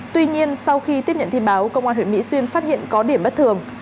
tuy nhiên sau khi tiếp nhận tin báo công an huyện mỹ xuyên phát hiện có điểm bất thường